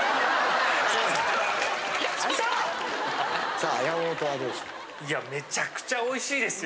さあ山本はどうでした？